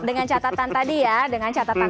dengan catatan tadi ya dengan catatan